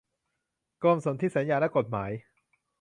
กรมสนธิสัญญาและกฎหมาย